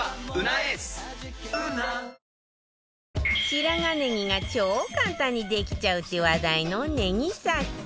白髪ネギが超簡単にできちゃうって話題のねぎサッサ